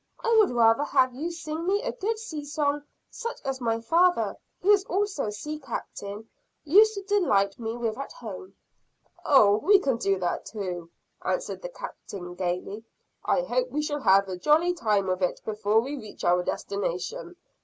I would rather have you sing me a good sea song, such as my father, who was also a sea captain, used to delight me with at home." "Oh, we can do that too," answered the Captain gaily. "I hope we shall have a jolly time of it, before we reach our destination.